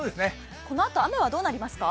このあと、雨はどうなりますか？